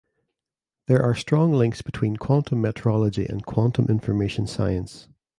There are strong links between quantum metrology and quantum information science.